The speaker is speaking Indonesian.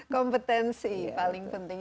kompetensi paling penting